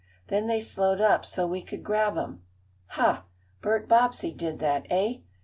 Then they slowed up so we could grab 'em." "Ha! Bert Bobbsey did that, eh?"